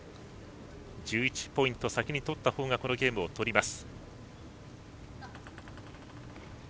１１ポイント先に取った方がこのゲームを取ります。